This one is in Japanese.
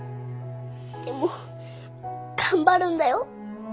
でも頑張るんだよ。